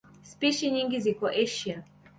Spishi nyingi ziko Asia.